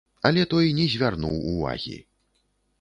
Але той не звярнуў увагі.